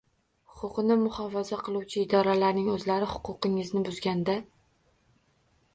Huquqni muhofaza qiluvchi idoralarning o‘zlari huquqingizni buzganda